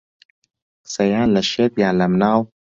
قسە یان لە شێت یان لە مناڵ